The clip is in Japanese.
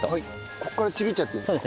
ここからちぎっちゃっていいんですか？